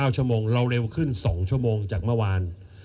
๙ชั่วโมงเราเร็วขึ้น๒ชั่วโมงจากเมื่อวาน